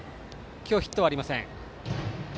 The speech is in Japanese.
今日、ヒットはありません。